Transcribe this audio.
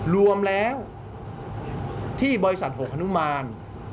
รวมแล้วที่บริษัทหกฮนุมาน